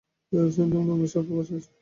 জরুরী সরঞ্জাম রুমে সাপ বসে আছে।